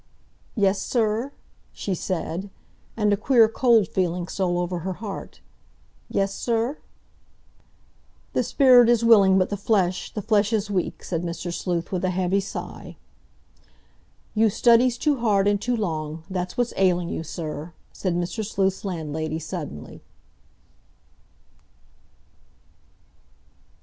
'" "Yes, sir?" she said, and a queer, cold feeling stole over her heart. "Yes, sir?" "'The spirit is willing, but the flesh—the flesh is weak,'" said Mr. Sleuth, with a heavy sigh. "You studies too hard, and too long—that's what's ailing you, sir," said Mr. Sleuth's landlady suddenly.